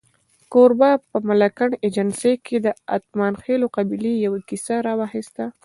کوربه په ملکنډ ایجنسۍ کې د اتمانخېلو قبیلې یوه کیسه راواخسته.